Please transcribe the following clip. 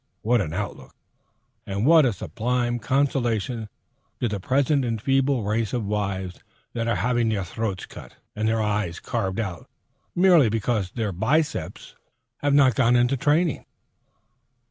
What an outlook! And what a sublime consolation to the present enfeebled race of wives that are having their throats cut and their eyes carved out merely because their biceps have not gone into training!